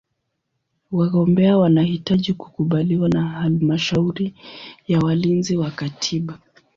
Wagombea wanahitaji kukubaliwa na Halmashauri ya Walinzi wa Katiba.